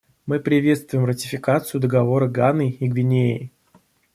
Мы приветствуем ратификацию Договора Ганой и Гвинеей.